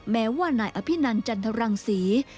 แม้ว่านายอภินันจันทรังศรี